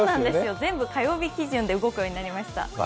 全部火曜日基準で動くようになりました。